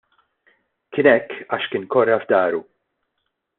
Kien hekk għax kien korra f'dahru.